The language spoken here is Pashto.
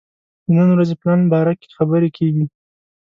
د نن ورځې پلان باره کې خبرې کېږي.